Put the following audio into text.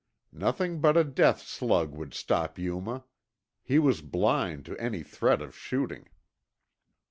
Nothing but a death slug would stop Yuma. He was blind to any threat of shooting.